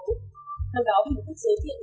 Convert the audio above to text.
thành báo hình thức giới thiệu